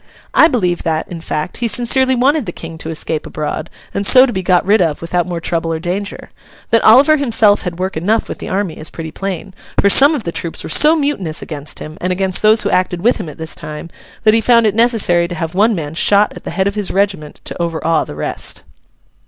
I believe that, in fact, he sincerely wanted the King to escape abroad, and so to be got rid of without more trouble or danger. That Oliver himself had work enough with the army is pretty plain; for some of the troops were so mutinous against him, and against those who acted with him at this time, that he found it necessary to have one man shot at the head of his regiment to overawe the rest.